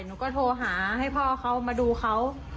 หนูก็โทรหาให้พ่อเขามาดูเขา